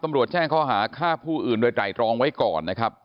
ตำรวจแช่งเขาหาค่าผู้อื่นโดยไตรรองไว้ก่อนนะครับ